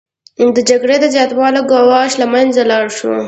د جګړې د زیاتوالي ګواښ له منځه لاړ نشو